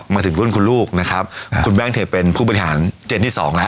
มาถึงรุ่นคุณลูกนะครับคุณแบงค์เธอเป็นผู้บริหารเจนที่สองแล้ว